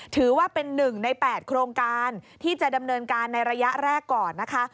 ถือว่าเป็น๑ใน๘โครงการที่จะดำเนินการในระยะแรกก่อนนะคะ